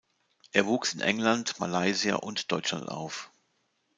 Er wuchs in England, Malaysia und Deutschland auf.